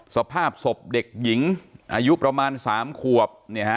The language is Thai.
สภาพศพเด็กหญิงอายุประมาณ๓ขวบ